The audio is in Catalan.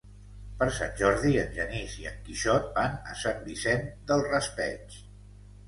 Per Sant Jordi en Genís i en Quixot van a Sant Vicent del Raspeig.